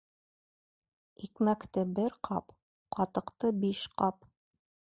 Икмәкте бер ҡап, ҡатыҡты биш ҡап.